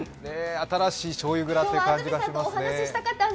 新しい醤油ブランドという感じがしますね。